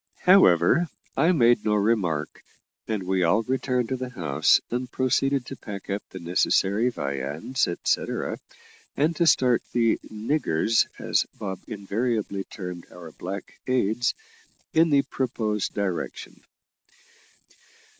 However, I made no remark, and we all returned to the house, and proceeded to pack up the necessary viands, etcetera, and to start the "niggers," as Bob invariably termed our black aids, in the proposed direction.